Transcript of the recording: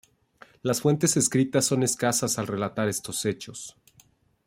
Las fuentes escritas son escasas al relatar estos hechos.